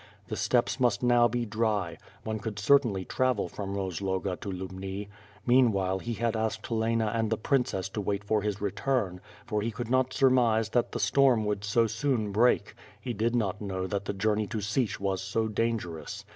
The steppes must now be dry; one could certainly travel from Kozloga to liUbni. Meanwhile he had asked Helena and the princess to wait for his return, for he could not surmise that the storm would so soon break; he did not know that the journey to Si eh was so dangerous.